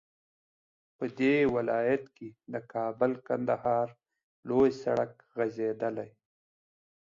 په دې ولايت كې د كابل- كندهار لوى سړك غځېدلى